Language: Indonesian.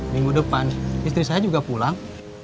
minggu depan istri saya juga pulang